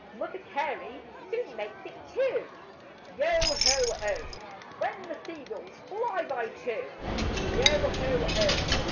Mother Carey soon makes it two: Yo ho oh! When the sea gulls fly by two, Yo ho oh!